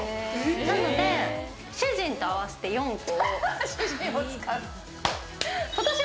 なので主人と合わせて４個。